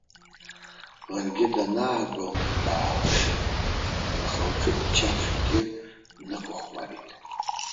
Ларгьы данаагәалҭа, даалашеит, лхы-лҿы ччаԥшькгьы нықәыхәмарит.